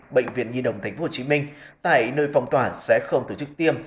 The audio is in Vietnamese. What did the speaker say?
bệnh viện nhi đồng tp hcm tại nơi phong tỏa sẽ không tổ chức tiêm